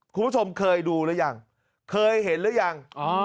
คุณผู้ชมเคยดูหรือยังเคยเห็นหรือยัง